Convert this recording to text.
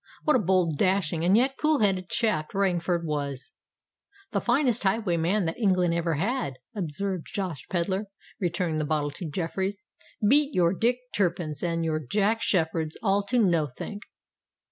What a bold, dashing, and yet cool headed chap Rainford was!" "The finest highwayman that England ever had," observed Josh Pedler, returning the bottle to Jeffreys. "Beat your Dick Turpins and your Jack Sheppards all to nothink!"